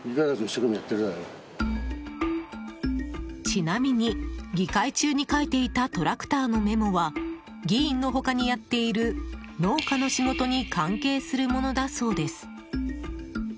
ちなみに議会中に書いていたトラクターのメモは議員の他にやっている農家の仕事に関係するものだそうです。